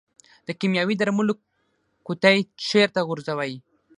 د کیمیاوي درملو قطۍ چیرته غورځوئ؟